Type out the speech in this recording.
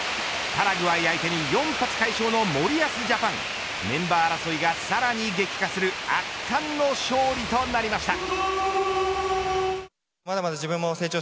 パラグアイ相手に４発快勝の森保ジャパンメンバー争いがさらに激化する圧巻の勝利となりました。